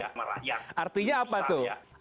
yang merayak artinya apa tuh